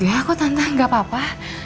tante kok tante gak apa apa